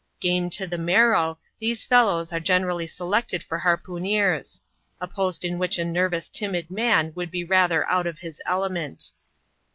Grame to the marrow, these fellows are generally selected for harpooneers; a post in which a nervous timid man would be rather out of his element.